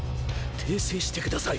訂正してください